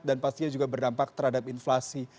dan juga berdampak terhadap inflasi